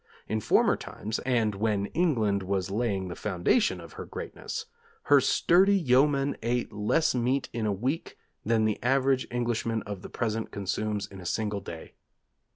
In former times and when England was laying the foundation of her greatness, her sturdy yeomen ate less meat in a week, than the average Englishman of the present consumes in a single day....